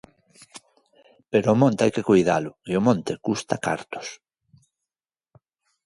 Pero o monte hai que coidalo e o monte custa cartos.